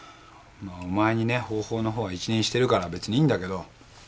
お前にね方法は一任してるから別にいいんだけど。